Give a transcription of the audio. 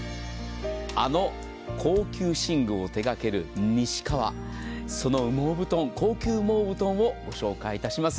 あの、高級寝具を手がける西川、その羽毛布団、高級羽毛布団をご紹介します。